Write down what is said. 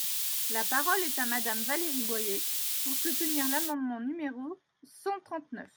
La parole est à Madame Valérie Boyer, pour soutenir l’amendement numéro cent trente-neuf.